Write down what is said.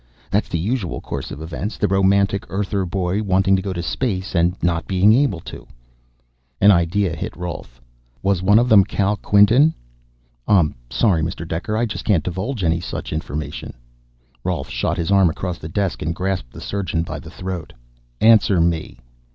That's the usual course of events the romantic Earther boy wanting to go to space, and not being able to." An idea hit Rolf. "Was one of them Kal Quinton?" "I'm sorry, Mr. Dekker. I just can't divulge any such information." Rolf shot his arm across the desk and grasped the surgeon by the throat. "Answer me!"